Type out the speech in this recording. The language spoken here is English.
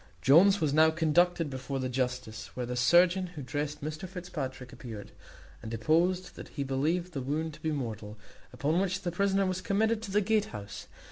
Jones was now conducted before the justice, where the surgeon who dressed Mr Fitzpatrick appeared, and deposed that he believed the wound to be mortal; upon which the prisoner was committed to the Gatehouse.